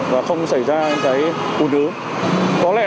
và không xảy ra cái hụt hướng